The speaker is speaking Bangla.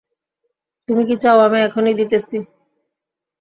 তুমি কী চাও আমি এখনই দিতেছি।